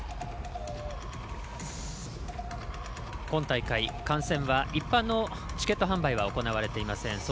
今大会、観戦は一般のチケット販売は行われていません。